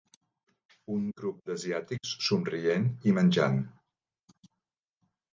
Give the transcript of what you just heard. Un grup d'asiàtics somrient i menjant